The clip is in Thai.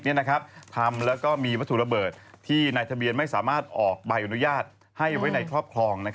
ทำแล้วก็มีวัตถุระเบิดที่นายทะเบียนไม่สามารถออกใบอนุญาตให้ไว้ในครอบครอง